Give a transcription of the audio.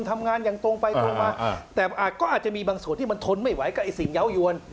ทำงานอย่างตรงไปตรงมาแต่ก็อาจจะมีบางส่วนที่มันทนไม่ไหวกับไอ้สิ่งเยาว์ยวน